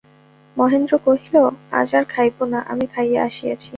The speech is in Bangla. মহেন্দ্র কহিল, আজ আর খাইব না, আমি খাইয়া আসিয়াছি।